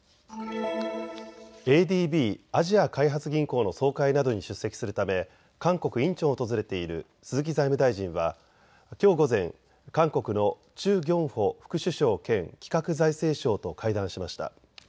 ＡＤＢ・アジア開発銀行の総会などに出席するため韓国・インチョンを訪れている鈴木財務大臣はきょう午前、韓国のチュ・ギュンホ副首相兼・企画財政相と会談しました。